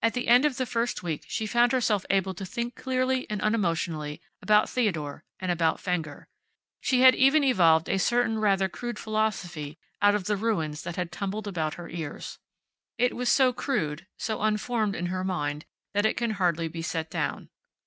At the end of the first week she found herself able to think clearly and unemotionally about Theodore, and about Fenger. She had even evolved a certain rather crude philosophy out of the ruins that had tumbled about her ears. It was so crude, so unformed in her mind that it can hardly be set down.